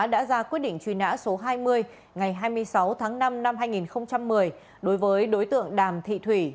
đã ra quyết định truy nã số hai mươi ngày hai mươi sáu tháng năm năm hai nghìn một mươi đối với đối tượng đàm thị thủy